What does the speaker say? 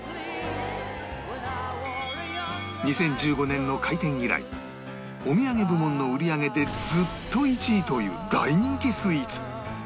２０１５年の開店以来お土産部門の売り上げでずっと１位という大人気スイーツ